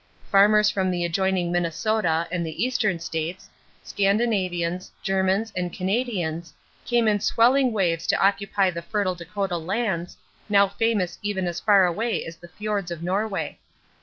Farmers from the adjoining Minnesota and the Eastern states, Scandinavians, Germans, and Canadians, came in swelling waves to occupy the fertile Dakota lands, now famous even as far away as the fjords of Norway.